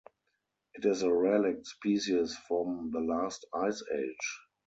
It is a relict species from the last ice age.